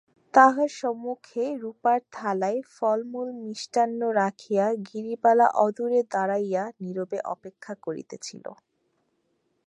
তাঁহার সম্মুখে রুপার থালায় ফলমূলমিষ্টান্ন রাখিয়া গিরিবালা অদূরে দাঁড়াইয়া নীরবে অপেক্ষা করিতেছিল।